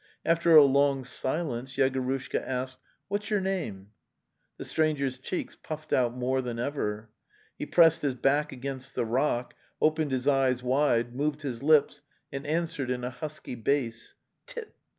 After a long silence Yegorushka asked: '"' What's your name? "' The stranger's cheeks puffed out more than ever; he pressed his back against the rock, opened his eyes wide, moved his lips, and answered in a husky bass: 66 Tit!